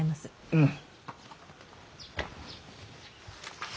うん。